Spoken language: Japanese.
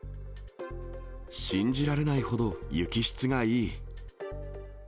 信じられないほど雪質がいい！